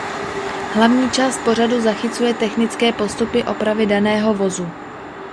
Hlavní část pořadu zachycuje technické postupy opravy daného vozu.